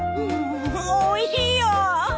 おいしいよ！